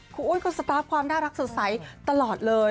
อ้วนก็สตาร์ฟความน่ารักสดใสตลอดเลย